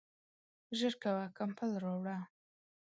ژر کوه ، کمپل راوړه !